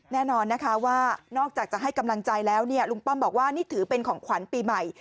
แน่นอนนะคะว่านอกจากจะให้กำลังใจแล้วเนี่ยลุงป้อมบอกว่านี่ถือเป็นของขวัญปีใหม่